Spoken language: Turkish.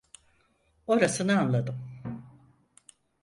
Orasını anladım.